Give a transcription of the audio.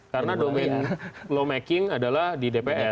karena domain law making adalah di dpr